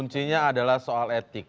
kuncinya adalah soal etik